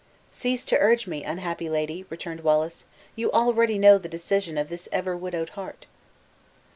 "Cease to urge me, unhappy lady," returned Wallace; "you already know the decision of this ever widowed heart."